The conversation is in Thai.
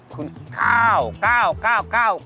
คุณก้าวก้าวก้าวก้าว